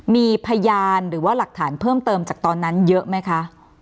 มีพยานหรือว่าหลักฐานเพิ่มเติมจากตอนนั้นเยอะไหมคะ